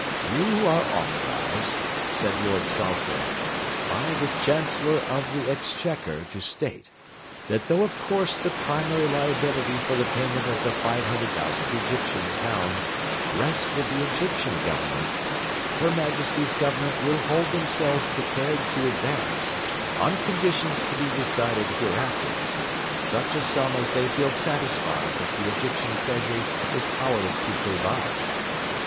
'You are authorised,' said Lord Salisbury, 'by the Chancellor of the Exchequer to state that though of course the primary liability for the payment of the £E500,000 rests with the Egyptian Government, her Majesty's Government will hold themselves prepared to advance, on conditions to be decided hereafter, such a sum as they feel satisfied that the Egyptian Treasury is powerless to provide.'